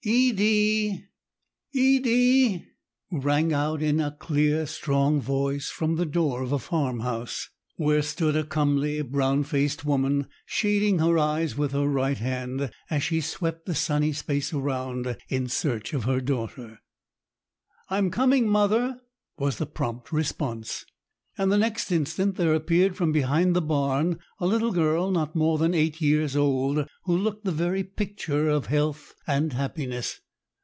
* "Edie! Edie!" rang out in a clear, strong voice from the door of a farmhouse, where stood a comely, brown faced woman, shading her eyes with her right hand, as she swept the sunny space around in search of her daughter. "I'm coming, mother," was the prompt response. And the next instant there appeared from behind the barn a little girl not more than eight years old, who looked the very picture of health and happiness.